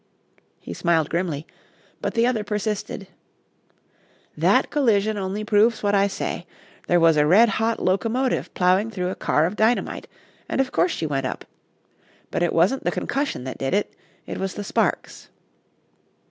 He smiled grimly, but the other persisted: "That collision only proves what I say. There was a red hot locomotive plowing through a car of dynamite, and of course she went up. But it wasn't the concussion did it; it was the sparks."